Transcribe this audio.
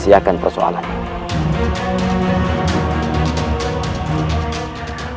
sebaiknya raden merahkanmu